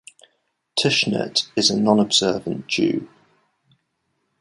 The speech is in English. Tushnet is a nonobservant Jew.